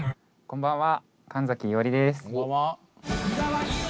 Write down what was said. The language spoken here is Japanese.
こんばんは。